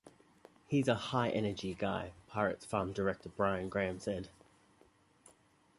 "He's a high-energy guy", Pirates farm director Brian Graham said.